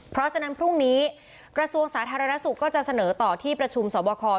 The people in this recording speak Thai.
เพราะฉะนั้นพรุ่งนี้กระทรวงสาธารณสุขก็จะเสนอต่อที่ประชุมสอบคอ